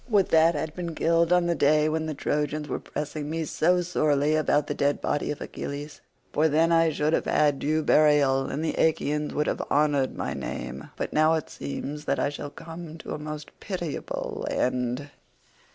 Would that I had been killed on the day when the Trojans were pressing me so sorely about the dead body of Achilles, for then I should have had due burial and the Achaeans would have honoured my name; but now it seems that I shall come to a most pitiable end."